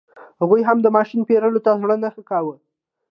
هغوی هم د ماشین پېرلو ته زړه نه ښه کاوه.